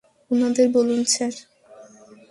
উনাদের বলুন, স্যার।